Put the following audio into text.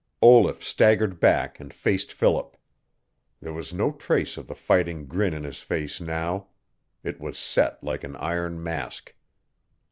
Olaf staggered back, and faced Philip. There was no trace of the fighting grin in his face now. It was set like an iron mask.